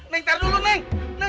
neng tar dulu neng